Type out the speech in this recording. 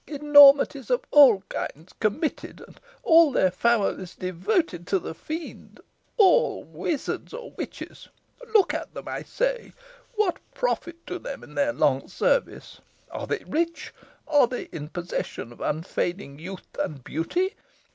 Enormities of all kinds committed, and all their families devoted to the Fiend all wizards or witches! Look at them, I say. What profit to them is their long service? Are they rich? Are they in possession of unfading youth and beauty?